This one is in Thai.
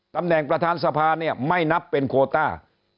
ตำแหน่งประธานสภาเนี่ยไม่นับเป็นโคต้า